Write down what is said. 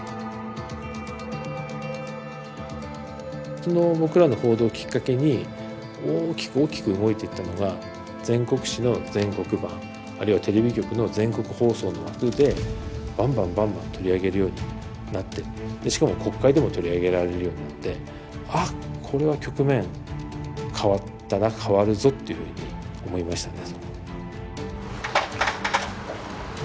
その僕らの報道きっかけに大きく大きく動いていったのが全国紙の全国版あるいはテレビ局の全国放送の枠でばんばんばんばん取り上げるようになってしかも国会でも取り上げられるようになって「あこれは局面変わったな変わるぞ」っていうふうに思いましたね。